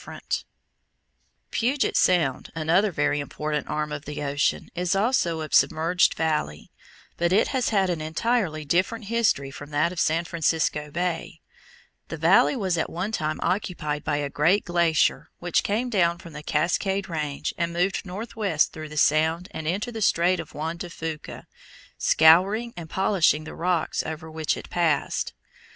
[Illustration: FIG. 36. ISLAND ROUNDED BY A GLACIER Near Anacortes, Puget Sound] Puget Sound, another very important arm of the ocean, is also a submerged valley, but it has had an entirely different history from that of San Francisco Bay. The valley was at one time occupied by a great glacier which came down from the Cascade Range and moved northwest through the sound and into the Strait of Juan de Fuca, scouring and polishing the rocks over which it passed.